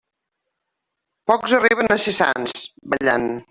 Pocs arriben a ser sants, ballant.